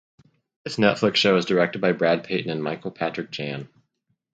This Netflix show was directed by Brad Peyton and Michael Patrick Jann.